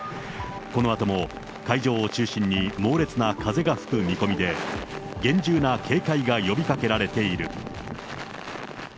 このあとも海上を中心に猛烈な風が吹く見込みで、厳重な警戒が呼びかけられている。